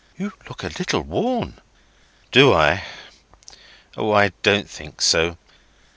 "You look a little worn." "Do I? O, I don't think so.